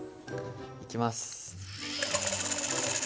いきます。